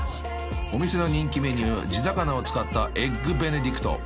［お店の人気メニュー地魚を使ったエッグベネディクト］